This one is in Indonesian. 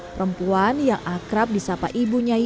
perempuan yang akrab di sapa ibunya ini